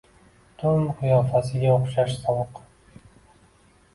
Tund qiyofasiga o’xshash sovuq